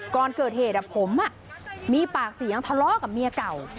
ก่อนเกิดเหตุผมมีปากเสียงทะเลาะกับเมียเก่า